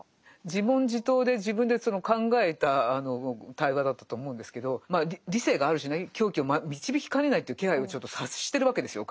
自問自答で自分でその考えた対話だったと思うんですけど理性がある種ね狂気を導きかねないという気配をちょっと察してるわけですよ